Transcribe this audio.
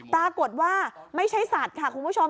ปรากฏว่าไม่ใช่สัตว์ค่ะคุณผู้ชม